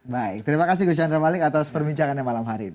baik terima kasih gus chandra malik atas perbincangannya malam hari ini